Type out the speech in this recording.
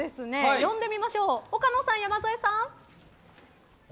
呼んでみましょう岡野さん、山添さん！